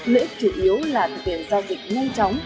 lợi ích chủ yếu là tiền giao dịch nhanh chóng